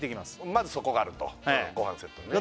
まずそこがあるとごはんセットにね